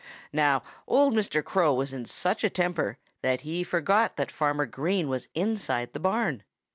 Now, old Mr. Crow was in such a temper that he forgot that Farmer Green was inside the barn.